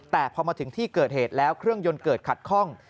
แต่พอมาถึงที่เกิดเหตุแล้วเครื่องยนต์เกิดขัดข้อง